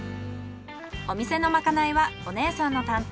お店のまかないはお姉さんの担当。